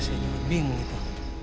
senyum bing gitu